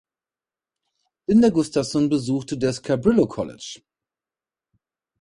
Linda Gustavson besuchte das Cabrillo College.